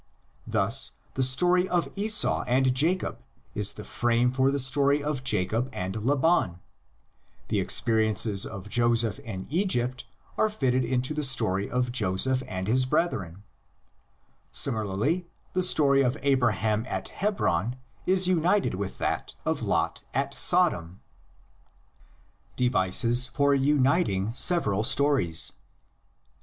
Thus, the story of Esau and Jacob is the frame for the story of Jacob and Laban; the experiences of Joseph in Egypt are fitted into the story of Joseph and his brethren; similarly the story of Abraham at Hebron is united with that of Lot at Sodom. LITERARY FORM OF THE LEGENDS. 81 DEVICES FOR UNITING SEVERAL STORIES.